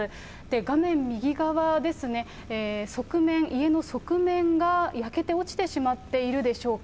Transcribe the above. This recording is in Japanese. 画面右側ですね、側面、家の側面が焼けて落ちてしまっているでしょうか。